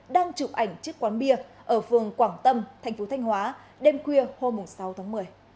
đang chụp ảnh chiếc quán bia ở phường quảng tâm thành phố thanh hóa đêm khuya hôm sáu tháng một mươi